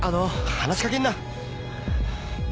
話し掛けんな！